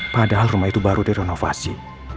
padahal rumah itu baru direnovasi